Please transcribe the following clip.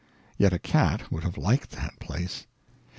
Yet a cat would have liked that place.